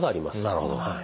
なるほど。